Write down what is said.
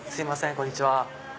こんにちは。